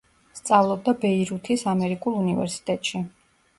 სწავლობდა ბეირუთის ამერიკულ უნივერსიტეტში.